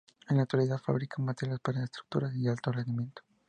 En la actualidad fabrica materiales para estructuras y de alto rendimiento.